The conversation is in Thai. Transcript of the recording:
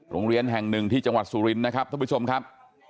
โรงเรียนแห่งหนึ่งที่จังหวัดสุรินทร์นะครับท่านผู้ชมครับ